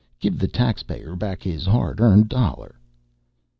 Give the taxpayer back his hard earned dollar!"